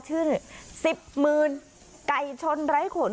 ชื่อสิบหมื่นไก่ชนไร้ขน